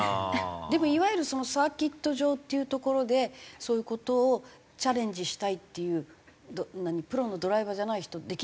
でもいわゆるサーキット場っていう所でそういう事をチャレンジしたいっていうプロのドライバーじゃない人できるんですか？